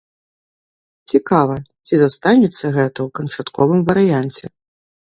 Цікава, ці застанецца гэта ў канчатковым варыянце.